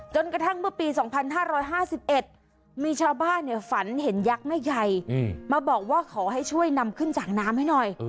กระทั่งเมื่อปี๒๕๕๑มีชาวบ้านฝันเห็นยักษ์แม่ใหญ่มาบอกว่าขอให้ช่วยนำขึ้นจากน้ำให้หน่อย